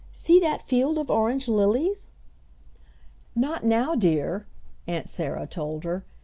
"See that field of orange lilies." "Not now, dear," Aunt Sarah told her.